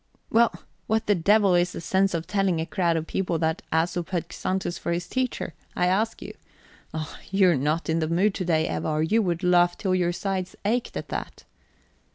"Well, what the devil is the sense of telling a crowd of people that Æsop had Xanthus for his teacher? I ask you. Oh, you are not in the mood to day, Eva, or you would laugh till your sides ached at that."